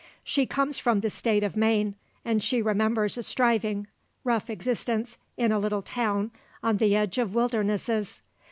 She comes from the State of Maine, and she remembers a striving, rough existence in a little town on the edge of wildernesses.